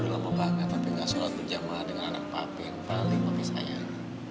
udah lama banget tapi gak sholat berjamaah dengan anak papi yang paling papi sayang